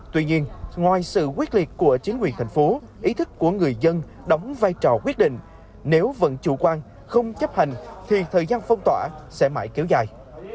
tuy nhiên ngoài sự quyết liệt của chính quyền thành phố ý thức của người dân đóng vai trò quyết định nếu vẫn chủ quan không chấp hành thì thời gian phong tỏa sẽ mãi kéo dài